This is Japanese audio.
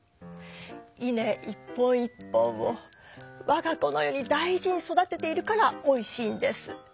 いね一本一本をわが子のように大じにそだてているからおいしいんです。